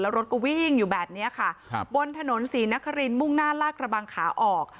แล้วรถก็วิ่งอยู่แบบนี้ค่ะบนถนน๔นครีนมุ่งหน้าลากระบังขาออก